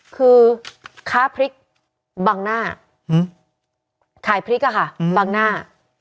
คือค้าพริกบังหน้าขายพริกอะค่ะบังหน้า